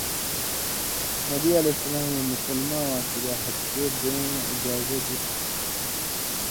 نبی علیہ السلامے مسلماں واں کریا حبشے بېں اجازہ دِتیۡ۔